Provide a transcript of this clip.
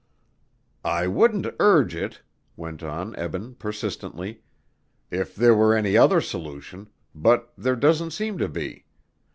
"I wouldn't urge it," went on Eben persistently, "if there were any other solution but there doesn't seem to be.